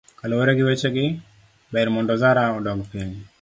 Kaluwore gi wechegi, ber mar zaraa odok piny.